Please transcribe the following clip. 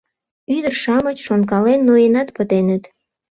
— Ӱдыр-шамыч, шонкален, ноенат пытеныт.